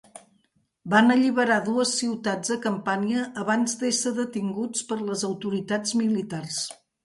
Van alliberar dues ciutats a Campània abans d'ésser detinguts per les autoritats militars.